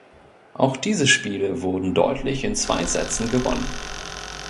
Auch diese Spiele wurden deutlich in zwei Sätzen gewonnen.